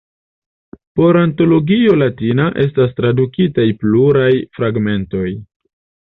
Por Antologio Latina estas tradukitaj pluraj fragmentoj.